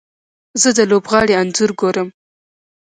زه د لوبغاړي انځور ګورم.